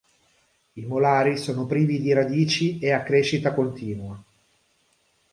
I molari sono privi di radici e a crescita continua.